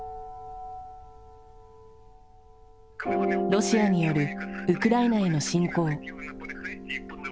ロシアによるウクライナへの侵攻。